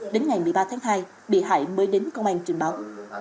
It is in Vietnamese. đến ngày một mươi ba tháng hai bị hại mới đến công an trình báo